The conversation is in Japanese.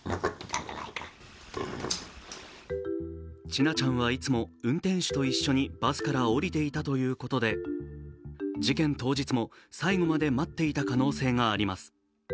千奈ちゃんはいつも運転手と一緒にバスから降りていたということで事件当日も最後まで待っていた可能性があります。